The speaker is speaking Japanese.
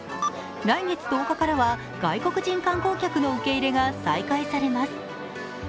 来月１０日からは、外国人観光客の受け入れが再開されます。